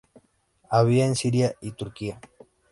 Habita en Siria y Turquía.